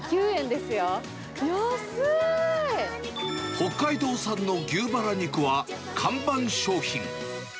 北海道産の牛バラ肉は、看板商品。